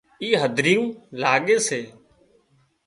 اِي هڌريون لاڳي سي